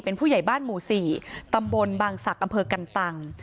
เป็นผู้ใหญ่บ้านหมู่๔ตำบลบางศักดิ์อำเภอกันตัง